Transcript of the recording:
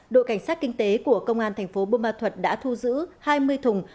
đội cảnh sát kinh tế của công an tp bumathuat đã thu giữ hai mươi thùng